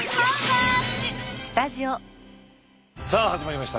さあ始まりました。